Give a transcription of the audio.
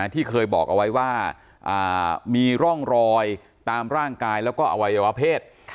ที่เคยบอกเอาไว้ว่ามีร่องรอยตามร่างกายแล้วก็อวัยวเพศ